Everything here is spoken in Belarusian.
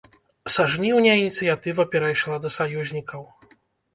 Са жніўня ініцыятыва перайшла да саюзнікаў.